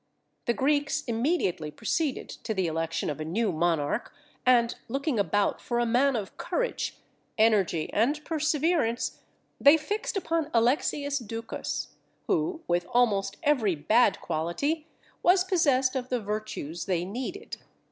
The Greeks immediately proceeded to the election of a new monarch; and looking about for a man of courage, energy, and perseverance, they fixed upon Alexius Ducas, who, with almost every bad quality, was possessed of the virtues they needed.